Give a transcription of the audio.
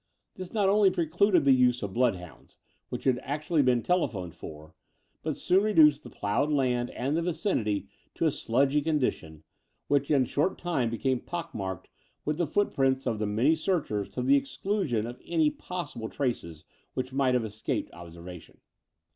This not only precluded the use of bloodhounds, which had actually been telephoned for, but soon reduced the ploughed land and the vicinity to a sludgy con dition, which in a short time became pockmarked with the footprints of the many searchers to the exclusion of any possible traces which might have escaped observation.